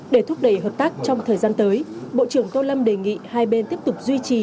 để thúc đẩy hợp tác trong thời gian tới bộ trưởng tô lâm đề nghị hai bên tiếp tục duy trì